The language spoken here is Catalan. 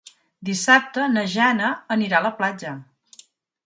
Dissabte na Jana anirà a la platja.